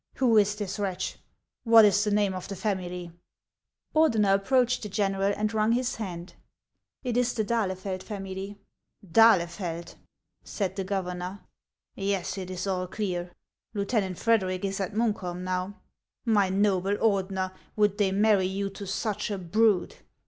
Who is this wretch ? What is the name of the family ?" Ordeiier approached the general and wrung his hand. " It is the D'Ahlefeld family." " D'Ahlefeld .'" said the governor. " Yes, it is all clear. Lieutenant Frederic is at Munkholm now. My noble Ordener, would they marry you to such a brood